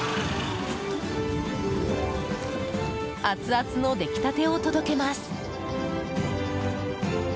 アツアツの出来たてを届けます。